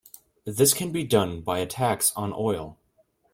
This can be done by a tax on oil.